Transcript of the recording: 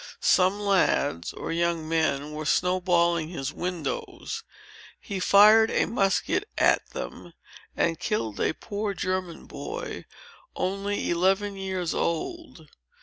Some lads, or young men, were snow balling his windows. He fired a musket at them and killed a poor German boy, only eleven years old.